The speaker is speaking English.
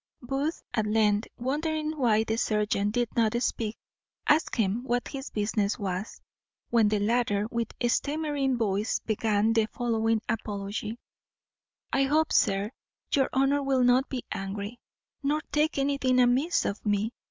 Booth at length, wondering that the serjeant did not speak, asked him, What his business was? when the latter with a stammering voice began the following apology: "I hope, sir, your honour will not be angry, nor take anything amiss of me.